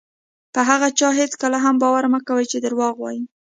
په هغه چا هېڅکله هم باور مه کوئ چې دروغ وایي.